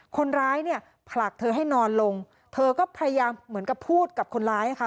คนร้ายเนี่ยผลักเธอให้นอนลงเธอก็พยายามเหมือนกับพูดกับคนร้ายค่ะ